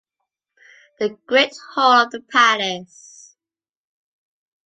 The great hall of the palace.